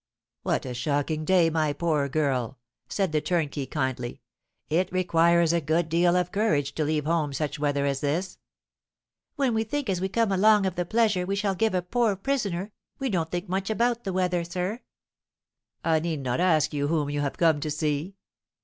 "What a shocking day, my poor girl!" said the turnkey, kindly. "It requires a good deal of courage to leave home such weather as this." "When we think as we come along of the pleasure we shall give a poor prisoner, we don't think much about the weather, sir." "I need not ask you whom you have come to see?"